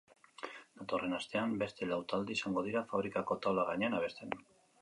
Datorren astean beste lau talde izango dira fabrikako taula-gainean abesten.